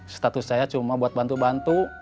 status saya cuma buat bantu bantu